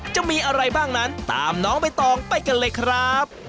จะมีอะไรบ้างนั้นตามน้องใบตองไปกันเลยครับ